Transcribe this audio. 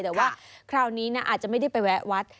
แต่ว่าคราวนี้นะอาจจะไม่ได้ไปแวะวัด